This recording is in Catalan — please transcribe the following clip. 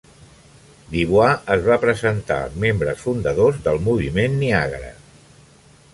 Du Bois i es va presentar als membres fundadors del Moviment Niagara.